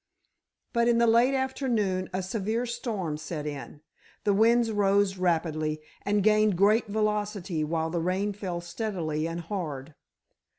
But in the late afternoon a severe storm set in. The wind rose rapidly and gained great velocity while the rain fell steadily and hard.